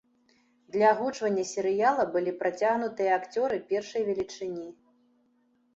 Для агучвання серыяла былі прыцягнутыя акцёры першай велічыні.